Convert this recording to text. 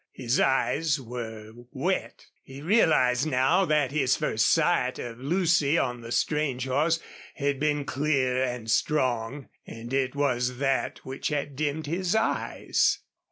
His eyes were wet. He realized now that his first sight of Lucy on the strange horse had been clear and strong, and it was that which had dimmed his eyes.